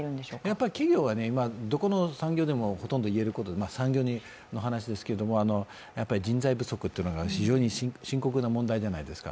やっぱり企業は今、どこの産業でも言えることで産業の話ですけど、人材不足が深刻な問題じゃないですか。